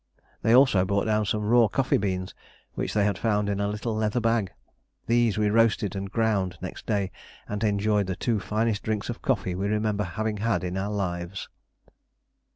They also brought down some raw coffee beans which they had found in a little leather bag; these we roasted and ground next day, and enjoyed the two finest drinks of coffee we remember having had in our lives.